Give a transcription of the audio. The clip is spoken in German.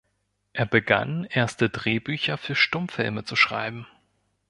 Er begann, erste Drehbücher für Stummfilme zu schreiben.